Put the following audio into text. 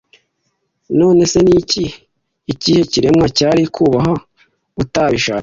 none se ni ikihe kiremwa cyari kubaho utabishatse